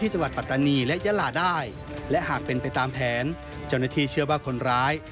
เจ้าหน้าที่เชื่อว่าคนร้าย